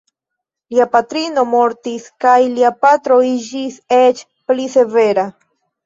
Lia patrino mortis kaj lia patro iĝis eĉ pli severa.